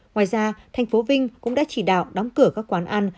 ngoài ra thành phố vinh cũng đã chỉ đạo đóng cửa các quán ăn